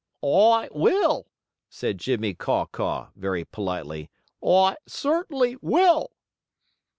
"I will," said Jimmie Caw Caw, very politely. "I certainly will!"